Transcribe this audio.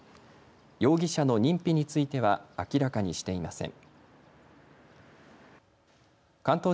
容疑者の認否については明らかにしていません。